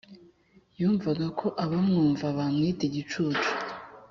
yumvaga ko abamwumva bamwita igicucu?